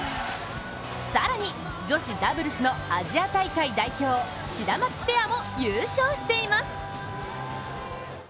更に、女子ダブルスのアジア大会代表シダマツペアも優勝しています。